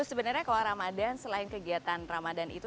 sebenarnya kalau ramadan selain kegiatan ramadan itu